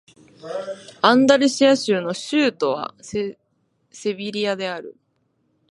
アンダルシア州の州都はセビリアである